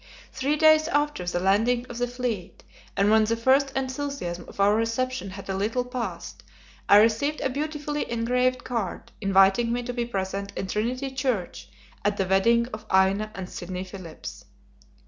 Three days after the landing of the fleet, and when the first enthusiasm of our reception had a little passed, I received a beautifully engraved card inviting me to be present in Trinity Church at the wedding of Aina and Sidney Phillips.